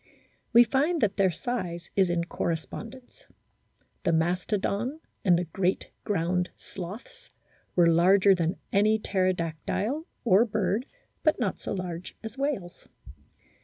We find that their size is in correspondence. The Mastodon and the great ground sloths were larger than any pterodactyle or bird, but not so large as whales.